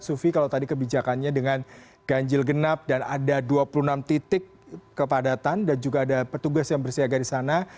sufi kalau tadi kebijakannya dengan ganjil genap dan ada dua puluh enam titik kepadatan dan juga ada petugas yang bersiaga di sana